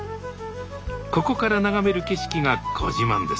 ここから眺める景色がご自慢です。